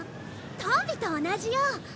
トンビと同じよ。